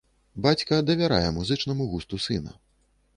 Бацька давярае музычнаму густу сына.